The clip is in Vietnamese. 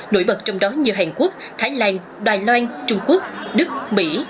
nổi bật trong đó như hàn quốc thái lan đài loan trung quốc đức mỹ